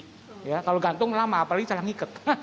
kalau gantung lama apalagi jangan ngikut